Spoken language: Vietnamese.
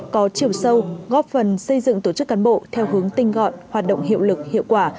có chiều sâu góp phần xây dựng tổ chức cán bộ theo hướng tinh gọn hoạt động hiệu lực hiệu quả